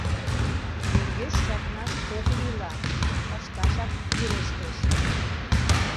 Мӧҥгӧш чакнаш ок лийла, ышташак вирештеш.